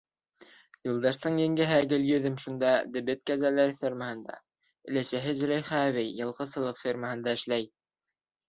Юлдаштың еңгәһе Гөлйөҙөм шунда, дебет кәзәләре фермаһында, өләсәһе Зөләйха әбей йылҡысылыҡ фермаһында эшләй.